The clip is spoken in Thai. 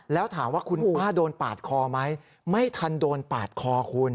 แล้วถามว่าคุณป้าโดนปาดคอไหมไม่ทันโดนปาดคอคุณ